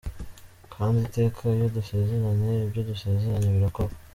Kandi iteka iyo dusezeranye ibyo dusezeranye birakorwa.